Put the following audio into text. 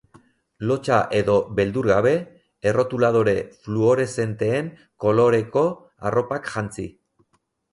Lotsa edo beldur gabe, errotuladore fluoreszenteen koloreko arropak jantzi.